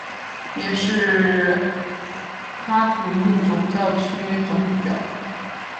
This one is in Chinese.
也是喀土穆总教区总主教。